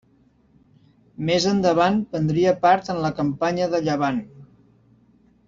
Més endavant prendria part en la campanya de Llevant.